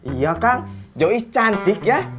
iya kang joyce cantik ya